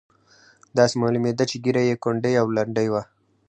داسې معلومېده چې ږیره یې کونډۍ او لنډۍ وه.